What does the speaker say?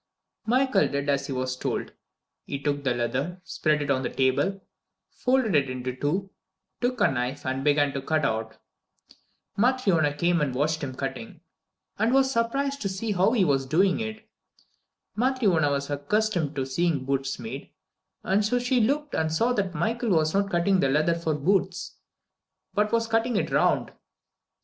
Michael did as he was told. He took the leather, spread it out on the table, folded it in two, took a knife and began to cut out. Matryona came and watched him cutting, and was surprised to see how he was doing it. Matryona was accustomed to seeing boots made, and she looked and saw that Michael was not cutting the leather for boots, but was cutting it round.